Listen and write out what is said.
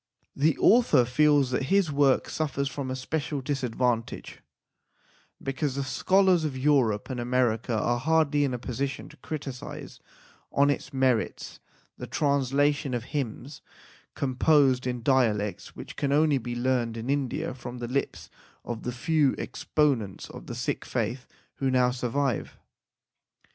The author feels that his work suffers from a special disadvantage, because the scholars of Europe and America are hardly in a position to criticize on its merits the translation of hymns composed in dialects which can only be learned in India from the lips of the few exponents of the Sikh faith who now survive.